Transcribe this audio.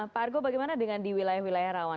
pak argo bagaimana dengan di wilayah wilayah rawan